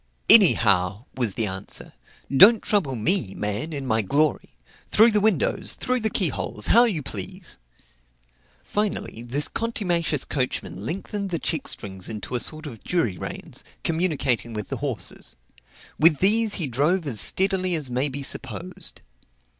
"Any how," was the answer; "don't trouble me, man, in my glory; through the windows, through the key holes how you please." Finally this contumacious coachman lengthened the checkstrings into a sort of jury reins, communicating with the horses; with these he drove as steadily as may be supposed.